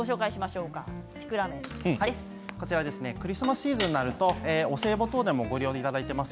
こちらはクリスマスシーズンになるとお歳暮等、ご利用いただいています